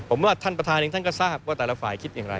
ผมว่าท่านประธานเองท่านก็ทราบว่าแต่ละฝ่ายคิดอย่างไร